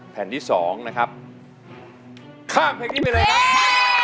แผ่นที่๒นะครับข้ามเพลงนี้ไปเลยครับ